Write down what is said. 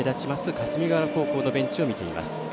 霞ヶ浦高校のベンチを見てみます。